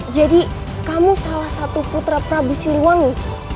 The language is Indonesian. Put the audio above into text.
jadi kamu salah satu putra prabu siliwangi